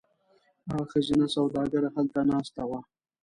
هغه ښځینه سوداګره هلته ناسته وه.